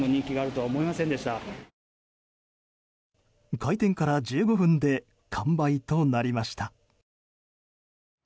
開店から１５分で完売となりました。